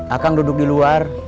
akang duduk di luar